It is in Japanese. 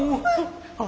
あっ。